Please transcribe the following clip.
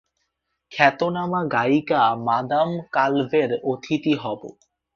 খ্যাতনামা গায়িকা মাদাম কালভের অতিথি হব।